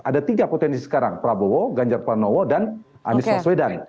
ada tiga potensi sekarang prabowo ganjar pranowo dan anies baswedan